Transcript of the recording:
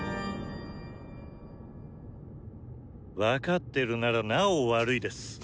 分かってるならなお悪いです。